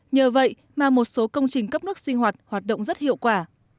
nhờ vậy mà một số công trình cấp nước sinh hoạt hoạt động rất hiệu quả